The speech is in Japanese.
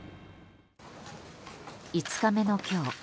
５日目の今日